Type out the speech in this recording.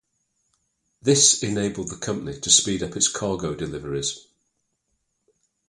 This enabled the company to speed up its cargo deliveries.